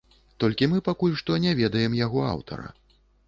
Толькі мы пакуль што не ведаем яго аўтара.